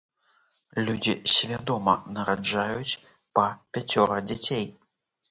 Людзі свядома нараджаюць па пяцёра дзяцей.